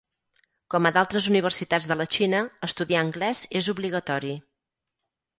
Com a d'altres universitats de la Xina, estudiar anglès és obligatori.